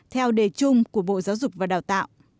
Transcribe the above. theo đề chung của bộ giáo dục và đào tạo